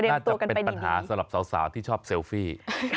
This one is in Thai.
น่าจะเป็นปัญหาสำหรับสาวที่ชอบเซลฟี่